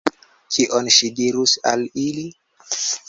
Kion ŝi dirus al ili?